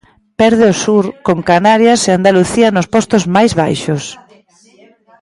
Perde o sur, con Canarias e Andalucía nos postos máis baixos.